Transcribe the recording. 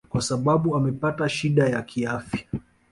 kwa sababu amepata shida ya kiafya